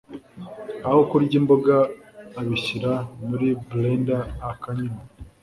Aho kurya imboga abishyira muri blender akanywa